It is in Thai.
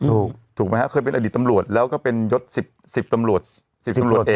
ถูกถูกไหมฮะเคยเป็นอดีตตำรวจแล้วก็เป็นยศสิบสิบตำรวจสิบตำรวจเอก